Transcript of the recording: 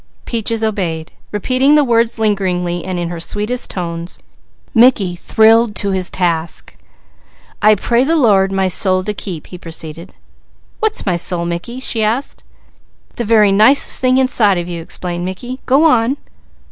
Peaches obeyed, repeating the words lingeringly and in her sweetest tones. Mickey thrilled to his task. "'I pray the Lord my soul to keep'" he proceeded. "What's my soul, Mickey?" she asked. "The very nicest thing inside of you," explained Mickey. "Go on!"